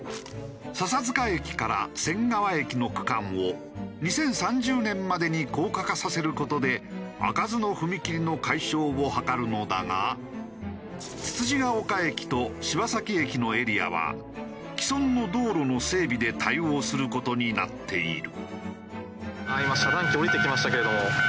笹駅から仙川駅の区間を２０３０年までに高架化させる事で開かずの踏切の解消を図るのだがつつじヶ丘駅と柴崎駅のエリアは既存の道路の整備で対応する事になっている。